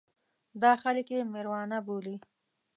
دا خلک یې مېروانا بولي.